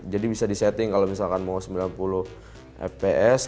jadi bisa di setting kalau misalkan mau sembilan puluh fps